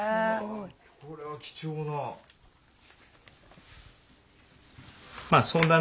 これは貴重な。